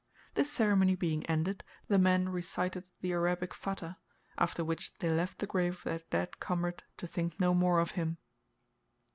This ceremony being ended, the men recited the Arabic Fat hah, after which they left the grave of their dead comrade to think no more of him.